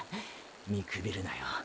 みくびるなよ